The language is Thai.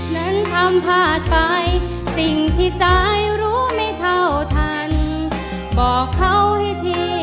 นั้นทำพลาดไปสิ่งที่ใจรู้ไม่เท่าทันบอกเขาให้ที